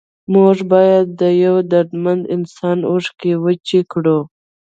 موږ باید د یو دردمند انسان اوښکې وچې کړو.